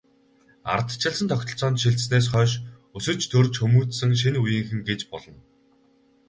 Ардчилсан тогтолцоонд шилжсэнээс хойш өсөж, төрж хүмүүжсэн шинэ үеийнхэн гэж болно.